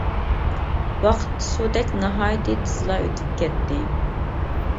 ۋاقىت سۇدەك ناھايىتى تېزلا ئۆتۈپ كەتتى.